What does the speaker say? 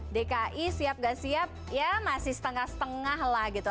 dki siap gak siap ya masih setengah setengah lah gitu